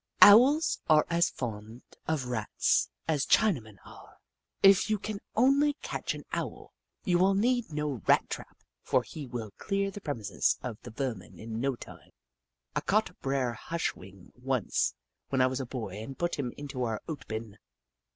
Owls are as fond of Rats as Chinamen are. Hoot Mon 209 If you can only catch an Owl you will need no Rat trap, for he will clear the premises of the vermin in no time. I caught Bre'r Hush wing once when I was a boy and put him into our oat bin.